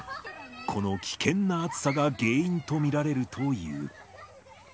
この危険な暑さが原因と見られるという。